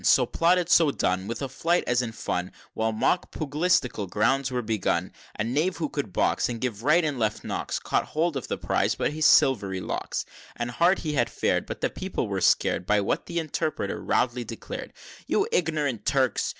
XXXIX. So plotted, so done With a fight as in fun, While mock pugilistical rounds were begun, A knave who could box, And give right and left knocks, Caught hold of the Prize by his silvery locks. XL. And hard he had fared, But the people were scared By what the Interpreter roundly declared; "You ignorant Turks!